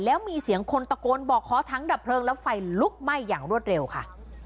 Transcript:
แล้วมีเสียงคนตะโกนบอกขอทั้งดับเพลิงแล้วไฟลุกไหม้อย่างรวดเร็วค่ะ